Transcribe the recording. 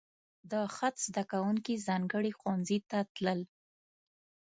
د خط زده کوونکي ځانګړي ښوونځي ته تلل.